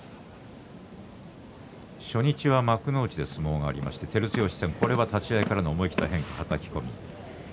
初日は幕内で相撲がありまして照強戦、立ち合いからの思い切った変化ではたき込み。